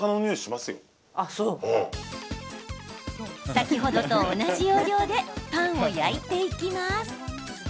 先ほどと同じ要領でパンを焼いていきます。